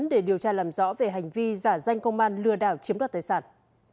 để điều tra làm rõ về hành vi giả danh công an lừa đảo chiếm đoạt tài sản